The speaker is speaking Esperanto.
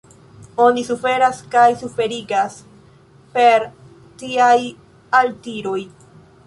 Oni suferas kaj suferigas per tiaj altiroj.